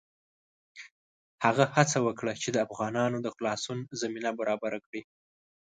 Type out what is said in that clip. هغه هڅه وکړه چې د افغانانو د خلاصون زمینه برابره کړي.